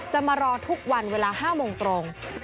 จะมารอทุกวันเวลา๕โมงตรง